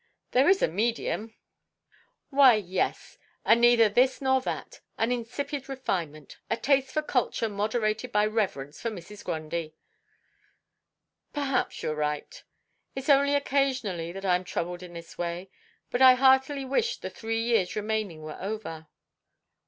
"There is a medium." "Why, yes. A neither this nor that, an insipid refinement, a taste for culture moderated by reverence for Mrs. Grundy." "Perhaps you are right. It's only occasionally that I am troubled in this way. But I heartily wish the three years remaining were over."